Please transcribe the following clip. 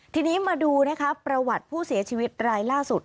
ทีนี้มาดูนะคะประวัติผู้เสียชีวิตรายล่าสุด